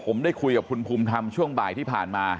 ผมได้คุยกับคุณภูมิธรรมช่วงบ่ายที่ผ่านมา